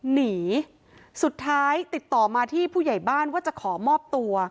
หนีสุดท้ายติดต่อมาที่ผู้ใหญ่บ้านว่าจะขอมอบตัว